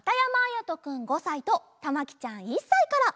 やとくん５さいとたまきちゃん１さいから。